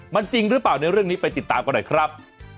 มันจริงหรือเปล่าในเรื่องนี้ไปติดตามกันหน่อยครับ